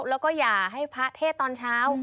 แล้วก็อย่าให้พระเทศตอนเช้า